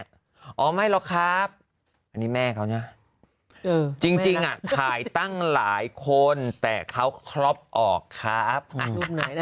ใช่แล้วครับอันนี้แม่เขาเนี่ยจริงอ่ะถ่ายตั้งหลายคนแต่เขาครอบออกครับอัน